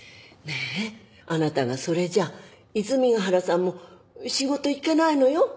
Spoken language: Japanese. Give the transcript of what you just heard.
ねぇあなたがそれじゃ泉ヶ原さんも仕事行けないのよ？